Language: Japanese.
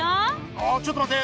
ああちょっと待って！